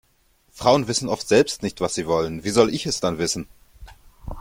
Frauen wissen oft selbst nicht, was sie wollen, wie soll ich es dann wissen?